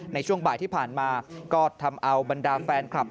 ในช่วงบ่ายที่ผ่านมาก็ทำเอาบรรดาแฟนคลับ